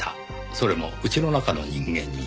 それも家の中の人間に。